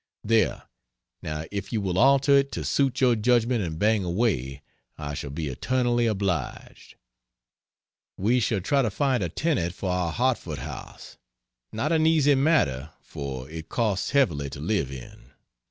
There! Now if you will alter it to suit your judgment and bang away, I shall be eternally obliged. We shall try to find a tenant for our Hartford house; not an easy matter, for it costs heavily to live in.